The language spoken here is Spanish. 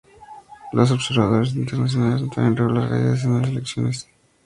Los observadores internacionales notaron irregularidades en las elecciones.